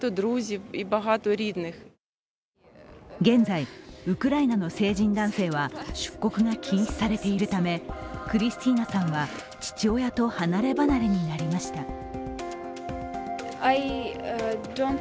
現在、ウクライナの成人男性は出国が禁止されているためクリスティーナさんは父親と離ればなれになりました。